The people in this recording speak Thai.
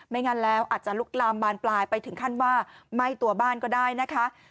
งั้นแล้วอาจจะลุกลามบานปลายไปถึงขั้นว่าไหม้ตัวบ้านก็ได้นะคะ